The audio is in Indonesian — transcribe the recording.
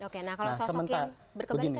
oke nah kalau sosok yang berkembang dengan itu